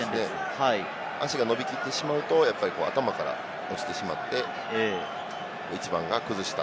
足が伸びきってしまうと頭から落ちてしまって、１番が崩した。